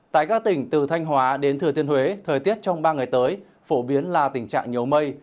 tại các tỉnh từ thanh hóa đến thừa thiên huế thời tiết trong ba ngày tới phổ biến là tình trạng nhiều mây